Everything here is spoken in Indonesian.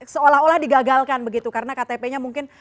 seolah olah digagalkan begitu karena ktp nya mungkin